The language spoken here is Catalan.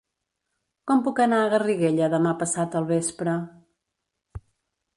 Com puc anar a Garriguella demà passat al vespre?